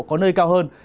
có nơi cao hơn